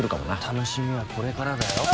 楽しみはこれからだよ。